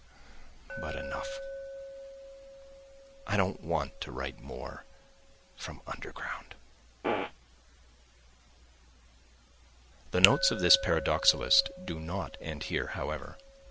But enough; I don't want to write more from "Underground." [The notes of this paradoxalist do not end here, however.